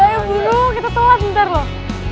udah ayo burung kita tolat ntar loh